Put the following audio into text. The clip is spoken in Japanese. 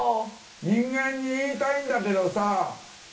人間に言いたいんだけどさ